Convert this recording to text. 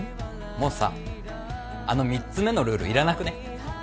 もうさあの３つ目のルールいらなくね？